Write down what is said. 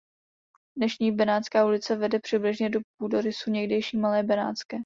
Dnešní Benátská ulice vede přibližně po půdorysu někdejší Malé Benátské.